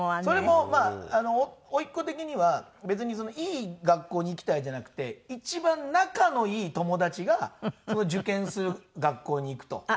それもまあ甥っ子的には別にいい学校に行きたいじゃなくて一番仲のいい友達が受験する学校に行くと。